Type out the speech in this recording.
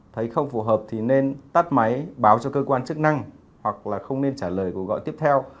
thấy không phù hợp thì nên tắt máy báo cho cơ quan chức năng hoặc là không nên trả lời cuộc gọi tiếp theo